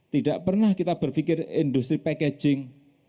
tidak pernah kita berpikir industri packaging